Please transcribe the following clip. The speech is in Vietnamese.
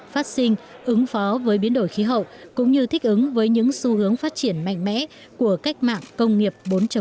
phát sinh ứng phó với biến đổi khí hậu cũng như thích ứng với những xu hướng phát triển mạnh mẽ của cách mạng công nghiệp bốn